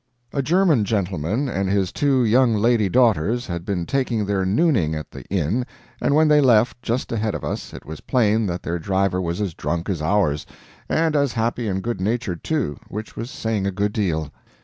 A German gentleman and his two young lady daughters had been taking their nooning at the inn, and when they left, just ahead of us, it was plain that their driver was as drunk as ours, and as happy and good natured, too, which was saying a good deal.